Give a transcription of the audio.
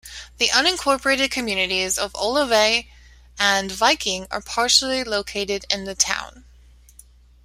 The unincorporated communities of Olivet and Viking are partially located in the town.